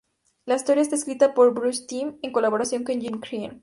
La historia está escrita por Bruce Timm en colaboración con Jim Krieg.